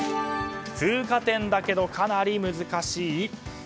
通過点だけどかなり難しい？